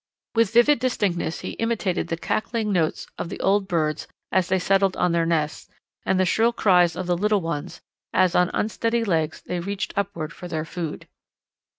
With vivid distinctness he imitated the cackling notes of the old birds as they settled on their nests, and the shrill cries of the little ones, as on unsteady legs they reached upward for their food.